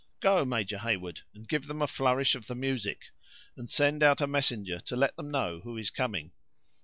Go, Major Heyward, and give them a flourish of the music; and send out a messenger to let them know who is coming.